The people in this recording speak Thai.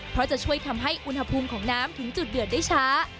เพราะจะช่วยทำให้อุณหภูมิของน้ำถึงจุดเดือดได้ช้า